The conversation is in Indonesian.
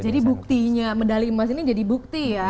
jadi buktinya medali emas ini jadi bukti ya